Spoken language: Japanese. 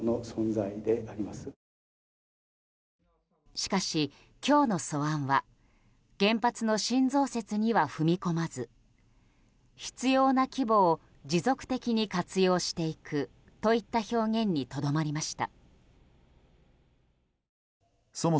しかし、今日の素案は原発の新増設には踏み込まず必要な規模を持続的に活用していくといった表現にとどまりました。